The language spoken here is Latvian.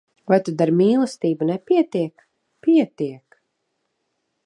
Vai tad ar mīlestību nepietiek? Pietiek!